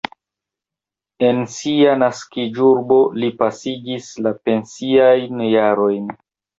En sia naskiĝurbo li pasigis la pensiajn jarojn.